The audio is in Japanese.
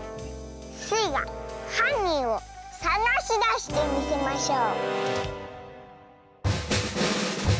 スイがはんにんをさがしだしてみせましょう！